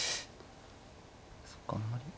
そうかあんまり。